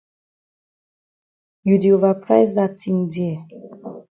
You di ova price dat tin dear.